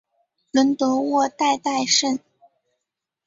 伦德沃代代什。